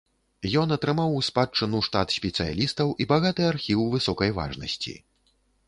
Ён атрымаў у спадчыну штат спецыялістаў і багаты архіў высокай важнасці.